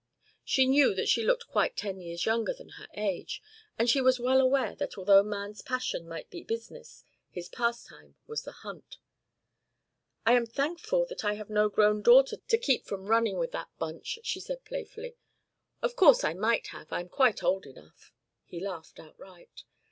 She knew that she looked quite ten years younger than her age, and she was well aware that although man's passion might be business his pastime was the hunt. "I am thankful that I have no grown daughter to keep from running with that bunch," she said playfully. "Of course I might have. I am quite old enough." He laughed outright.